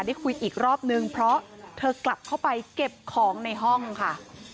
ได้คุยอีกรอบนึงเพราะเธอกลับเข้าไปเก็บของในห้องค่ะ